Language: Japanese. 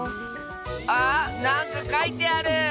あなんかかいてある！